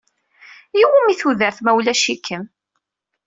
I wumi tudert ma ulac-ikem?